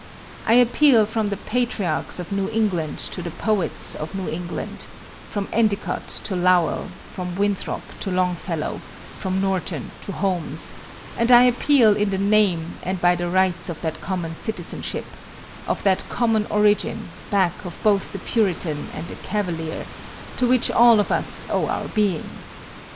I appeal from the patriarchs of New England to the poets of New England; from Endicott to Lowell; from Winthrop to Longfellow; from Norton to Holmes; and I appeal in the name and by the rights of that common citizenship of that common origin, back of both the Puritan and the Cavalier, to which all of us owe our being.